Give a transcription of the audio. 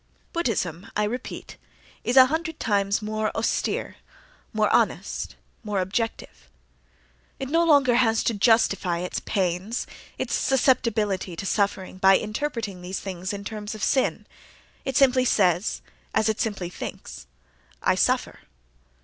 Buddhism, I repeat, is a hundred times more austere, more honest, more objective. It no longer has to justify its pains, its susceptibility to suffering, by interpreting these things in terms of sin—it simply says, as it simply thinks, "I suffer."